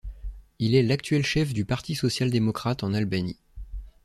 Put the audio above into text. Il est l'actuel chef du Parti social-démocrate en Albanie.